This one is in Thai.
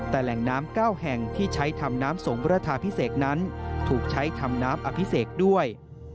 แต่แหล่งน้ำ๙แห่งที่ใช้ทำน้ำสงพระธาพิเศษนั้นถูกใช้ทำน้ำอภิเษกด้วย